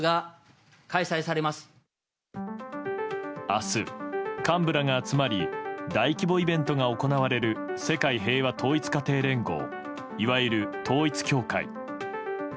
明日、幹部らが集まり大規模イベントが行われる世界平和統一家庭連合いわゆる統一教会。